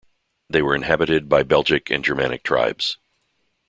They were inhabited by Belgic and Germanic tribes.